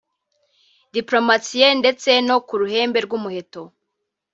Diplomatie ndetse no kuruhembe rw’umuheto